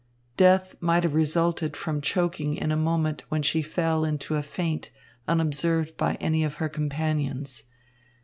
Death might have resulted from choking in a moment when she fell into a faint unobserved by any of her companions.